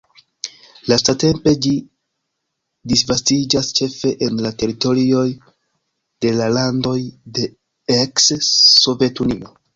Lastatempe ĝi disvastiĝas ĉefe en la teritorioj de la landoj de eks-Sovetunio.